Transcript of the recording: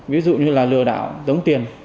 ví dụ như lừa đảo giống tiền